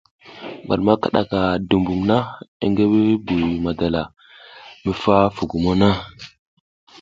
Gwat ma kiɗaka dumbuŋ na i ngi Buy madala mi fa fugum na.